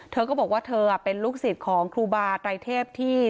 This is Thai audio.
เธอก็บอกว่าเธอเป็นลูกศิษย์ของครูบาไตรเทพที่